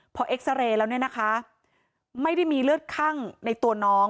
พอเอ็กซาเรย์แล้วเนี่ยนะคะไม่ได้มีเลือดคั่งในตัวน้อง